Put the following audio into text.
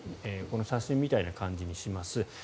この写真みたいな感じにします。